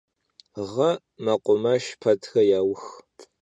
Ğe mekhumeşş petre yaux.